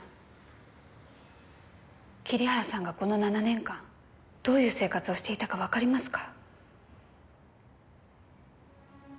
桐原さんがこの７年間どういう生活をしていたかわかりますか？